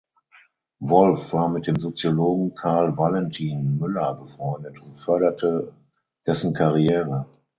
Wolf war mit dem Soziologen Karl Valentin Müller befreundet und förderte dessen Karriere.